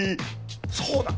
そうだ！